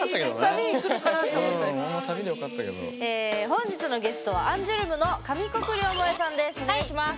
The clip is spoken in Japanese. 本日のゲストはアンジュルムの上國料萌衣さんです。